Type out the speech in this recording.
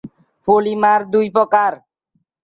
Polymer দুই প্রকার।